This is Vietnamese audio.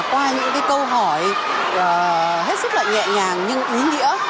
qua những chiếc phim qua những hình ảnh và qua những câu hỏi hết sức là nhẹ nhàng nhưng ý nghĩa